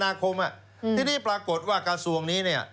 ทุกอย่างที่เป็นการคมนาคมอ่ะอะไรอ่ะ